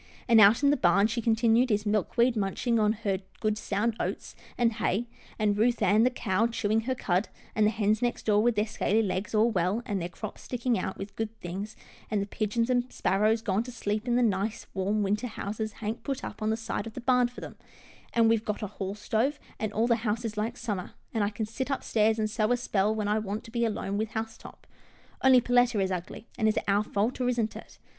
And out in the barn," she continued, " is Milkweed munching her good sound oats and hay, and Ruth Ann, the cow, chewing her cud, and the hens next door, with their scaly legs all well, and their crops sticking out with good things, and the pigeons and sparrows gone to sleep in the nice, warm winter houses Hank put up on the side of the barn for them, and we've got a hall stove, and all the house is like summer, and I can sit upstairs and sew a spell when I want to be alone with House top — Only Perletta is ugly, and is it our fault, or isn't it?